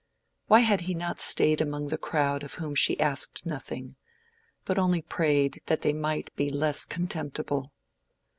Why had he not stayed among the crowd of whom she asked nothing—but only prayed that they might be less contemptible?